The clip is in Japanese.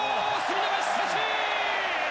見逃し三振！